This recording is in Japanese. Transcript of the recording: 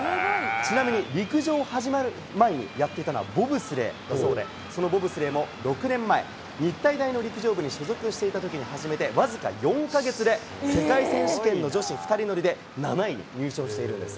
ちなみに、陸上始まる前にやっていたのはボブスレーだそうで、そのボブスレーも、日体大の陸上部に所属していたときに始めて、僅か４か月で、世界選手権の女子２人乗りで７位に入賞しているんです。